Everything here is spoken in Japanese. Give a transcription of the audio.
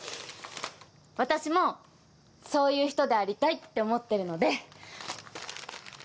私もそういう人でありたいって思ってるので。